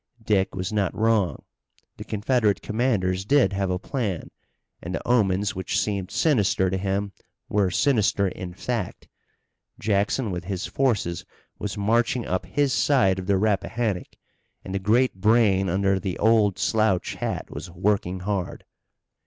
Dick was not wrong. The Confederate commanders did have a plan and the omens which seemed sinister to him were sinister in fact. Jackson with his forces was marching up his side of the Rappahannock and the great brain under the old slouch hat was working hard.